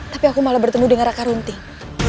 tapi aku malah bertemu dengan raka runting